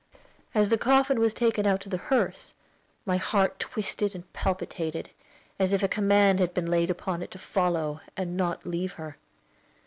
As the coffin was taken out to the hearse, my heart twisted and palpitated, as if a command had been laid upon it to follow, and not leave her.